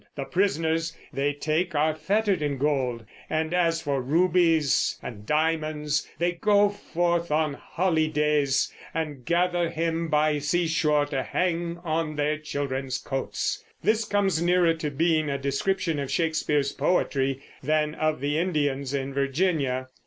The prisoners they take are fettered in gold; and as for rubies and diamonds, they goe forth on holydayes and gather 'hem by the seashore to hang on their children's coates." This comes nearer to being a description of Shakespeare's poetry than of the Indians in Virginia.